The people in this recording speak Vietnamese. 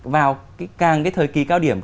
vào cái thời kỳ cao điểm